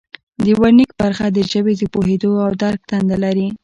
د ورنیک برخه د ژبې د پوهیدو او درک دنده لري